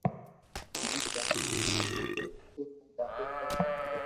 ھون جڻي نينو ھتو تو اسڪول مي ڌاڌو تنگ ڪرتو